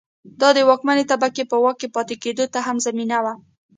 دا د واکمنې طبقې په واک کې پاتې کېدو ته هم زمینه وه.